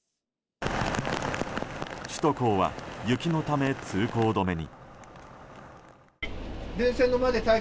首都高は雪のため通行止めに。